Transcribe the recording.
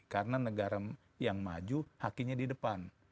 karena negara yang maju hakinya di depan